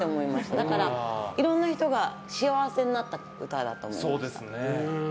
だからいろんな人が幸せになった歌だと思います。